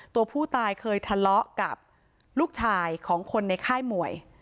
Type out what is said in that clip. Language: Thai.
ตัวผู้ตายเคยทะเลาะกับลูกชายของคนในค่ายมวย